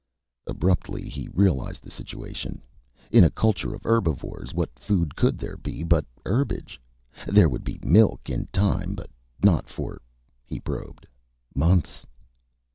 _ Abruptly, he realized the situation. In a culture of herbivores, what food could there be but herbiage? There would be milk, in time, but not for he probed months.